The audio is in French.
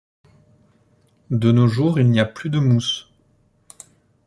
De nos jours, il n’y a plus de mousse.